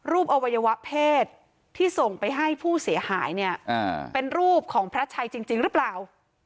อวัยวะเพศที่ส่งไปให้ผู้เสียหายเนี่ยเป็นรูปของพระชัยจริงหรือเปล่า